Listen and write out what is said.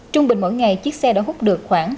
trung bình mỗi ngày chiếc xe đã hút được khoảng